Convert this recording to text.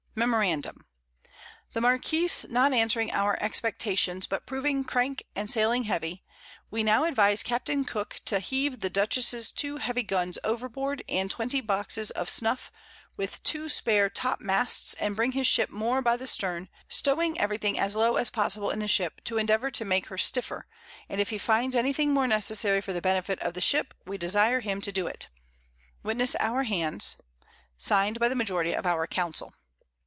Memorandum, The Marquiss not answering our Expectations, but proving crank and sailing heavy: We now advise Capt. Cooke to heave the Dutchess'_s two heavy Guns overboard, and 20 Boxes of Snuff, with two spare Top masts, and bring his Ship more by the Stern, stowing every thing as low as possible in the Ship, to endeavour to make her stiffer, and if he finds any thing more necessary for the Benefit of the Ship, we desire him to do it. Witness our Hands._ Signed by the Majority of our Council.